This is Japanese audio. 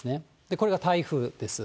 これが台風です。